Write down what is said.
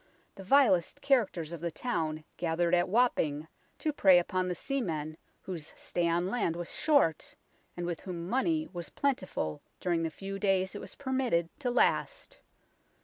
The vilest characters of the town gathered at Wapping to prey upon the seamen whose stay on land was short, and with whom money was plentiful during the few days it was permitted to last.